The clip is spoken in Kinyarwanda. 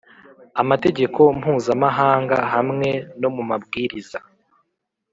amategeko mpuzamahanga hamwe no mu mabwiriza